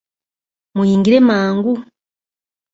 Muyingire mangu !